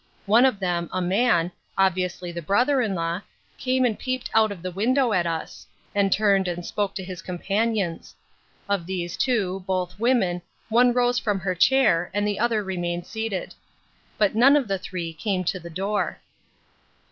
One of them, a man, obviously the brother in law, came and peeped out of the window at us, and turned and spoke to his companions. Of these two, both women, one rose from her chair and the other remained seated. But none of the three came to the door.